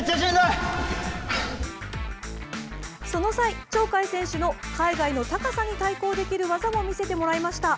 その際、鳥海選手の海外の高さに対抗できる技も見せてもらいました。